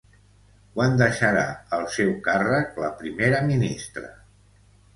Quan deixarà el seu càrrec la primera ministra?